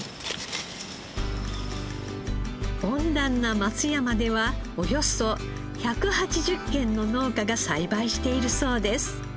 温暖な松山ではおよそ１８０軒の農家が栽培しているそうです。